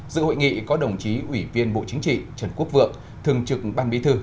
dự hội nghị có đồng chí ủy viên bộ chính trị trần quốc vượng thường trực ban bí thư